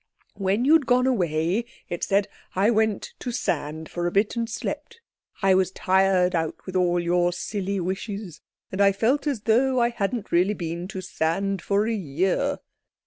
"When you'd gone away," it said, "I went to sand for a bit, and slept. I was tired out with all your silly wishes, and I felt as though I hadn't really been to sand for a year."